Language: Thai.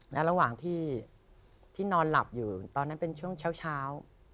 และระหว่างที่นอนหลับอยู่ตอนนั้นเป็นช่วงเช้า